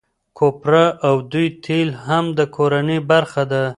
کوپره او دوی تېل هم د کورنۍ برخه ده.